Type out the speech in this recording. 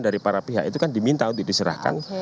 dari para pihak itu kan diminta untuk diserahkan